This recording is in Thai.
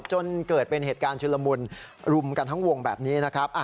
จนเกิดเป็นเหตุการณ์ชุลมุนรุมกันทั้งวงแบบนี้นะครับ